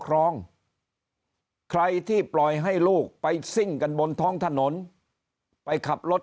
ครองใครที่ปล่อยให้ลูกไปซิ่งกันบนท้องถนนไปขับรถ